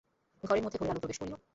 ঘরের মধ্যে ভোরের আলো প্রবেশ করিল।